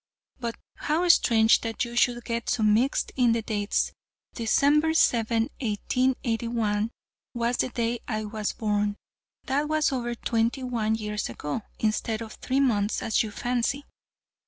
But how strange that you should get so mixed in the dates December 7, 1881, was the day I was born. That was over twenty one years ago, instead of three months, as you fancy."